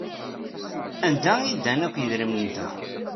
Anda ay ddan akk yedrimen-nteɣ?